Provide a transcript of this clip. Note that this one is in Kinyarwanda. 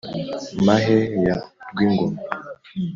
mahe ya rwingoma